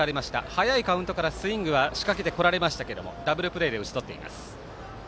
早いカウントからスイングは仕掛けてこられましたけれどもダブルプレーで打ち取っています。